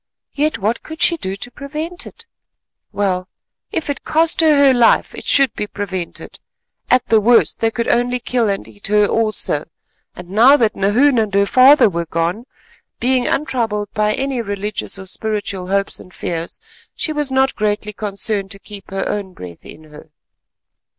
Yet what could she do to prevent it? Well, if it cost her her life, it should be prevented. At the worst they could only kill and eat her also, and now that Nahoon and her father were gone, being untroubled by any religious or spiritual hopes and fears, she was not greatly concerned to keep her own breath in her.